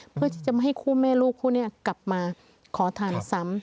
เพื่อที่จะไม่ให้คู่แม่ลูกคู่นี้กลับมาขอทานซ้ำ